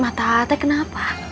mata atek kenapa